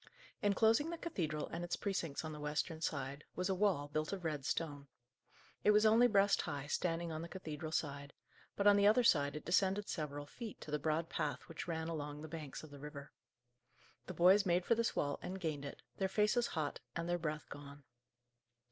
Inclosing the cathedral and its precincts on the western side, was a wall, built of red stone. It was only breast high, standing on the cathedral side; but on the other side it descended several feet, to the broad path which ran along the banks of the river. The boys made for this wall and gained it, their faces hot, and their breath gone.